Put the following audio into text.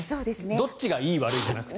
どっちがいい、悪いじゃなくて。